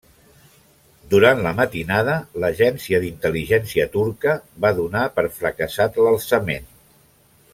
Durant la matinada, l'agència d'intel·ligència turca va donar per fracassat l'alçament.